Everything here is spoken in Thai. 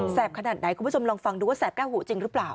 ขนาดไหนคุณผู้ชมลองฟังดูว่าแสบแก้วหูจริงหรือเปล่า